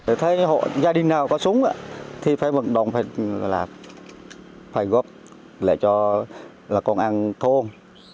tôi thấy gia đình nào có súng thì phải vận động phải góp lại cho con ăn thôn